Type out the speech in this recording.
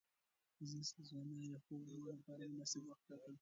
زه د سونا یا یخو اوبو لپاره مناسب وخت ټاکم.